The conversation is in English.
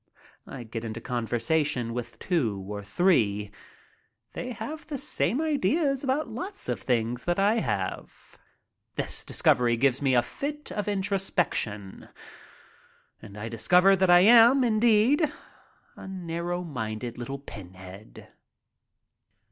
I get into conversation with two or three. They have the DAYS ON SHIPBOARD 29 same ideas about lots of things that I have. This discovery gives me a fit of introspection and I discover that I am, indeed, a narrow minded Httle pinhead.